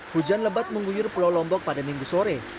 hujan lebat mengguyur pulau lombok pada minggu sore